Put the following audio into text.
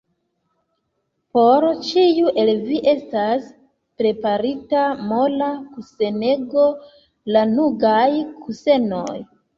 Por ĉiu el vi estas preparita mola kusenego, lanugaj kusenoj!